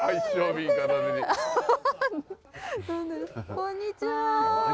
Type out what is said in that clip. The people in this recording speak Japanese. こんにちは。